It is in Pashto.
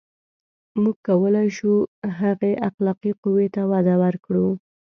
• موږ کولای شو، هغې اخلاقي قوې ته وده ورکړو.